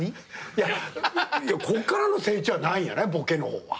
いやこっからの成長はないボケの方は。